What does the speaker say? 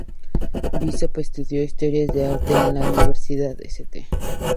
Bishop estudió Historia del Arte en la Universidad St.